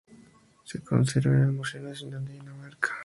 Se conserva en el Museo Nacional de Dinamarca.